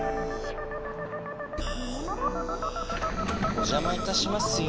おじゃまいたしますよ。